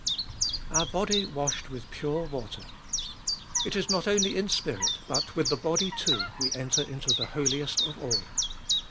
Our body washed with pure water. It is not only in spirit, but with, the body too, we enter into the Holiest of All.